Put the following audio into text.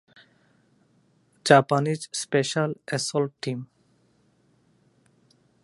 Japanese special assault team.